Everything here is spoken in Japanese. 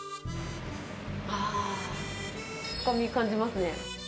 ああ、深みを感じますね。